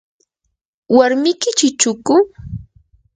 ¿warmiki chichuku?